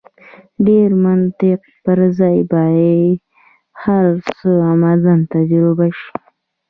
ډېر منطق پر ځای باید هر څه عملاً تجربه شي.